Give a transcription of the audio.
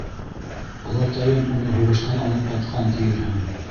Олатайым уны һуғыштан алып ҡайтҡан, тиерһең.